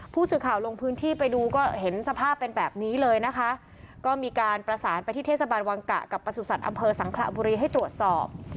ผู้สื่อข่าวลงพื้นที่ไปดูก็เห็นสภาพเป็นแบบนี้เลยนะคะก็มีการประสานไปที่เทศบาลวังกะกับประสุทธิ์อำเภอสังขระบุรีให้ตรวจสอบ